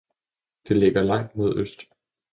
Det ligger langt mod øst.